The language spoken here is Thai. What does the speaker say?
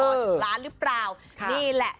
ถึงล้านหรือเปล่านี่แหละ